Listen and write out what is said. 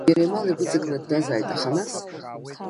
Иара имал игәыҵакны дтәазааит, аха нас?